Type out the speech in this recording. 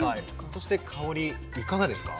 そして香りいかがですか？